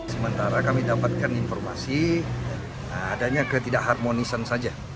sementara kami dapatkan informasi adanya ketidak harmonisan saja